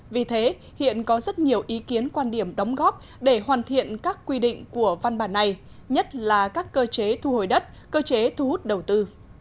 vì thế hiện có rất nhiều ý kiến quan điểm đóng góp để hoàn thiện các quy định của văn bản này nhất là các cơ chế thu hồi đất cơ chế thu hút đầu tư